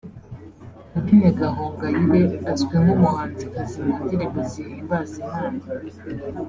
Aline Gahongayire azwi nk’umuhanzikazi mu ndirimbo zihimbaza Imana